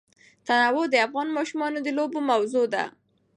تنوع د افغان ماشومانو د لوبو موضوع ده.